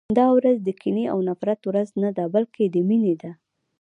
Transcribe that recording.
دا ورځ د کینې او د نفرت ورځ نه ده، بلکې د مینې ده.